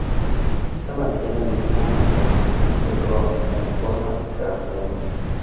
Ésta mantiene el mismo mascarón de proa en forma de carnero.